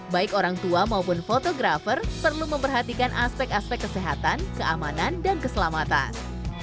baik orang tua maupun fotografer perlu memperhatikan aspek aspek kesehatan keamanan dan keselamatan